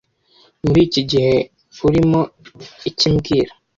Muri iki gihe urimo iki mbwira